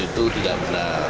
itu tidak benar